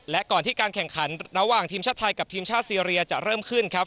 และก่อนที่การแข่งขันระหว่างทีมชาติไทยกับทีมชาติซีเรียจะเริ่มขึ้นครับ